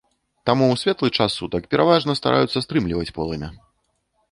Таму ў светлы час сутак пераважна стараюцца стрымліваць полымя.